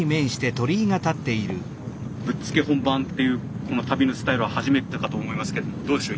「ぶっつけ本番」っていうこの旅のスタイルは初めてだと思いますけどどうでしょう？